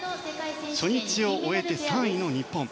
初日を終えて３位の日本。